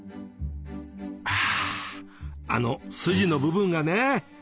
はあのスジの部分がね